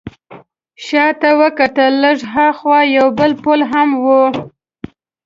شا ته وکتل، لږ ها خوا یو بل پل هم و.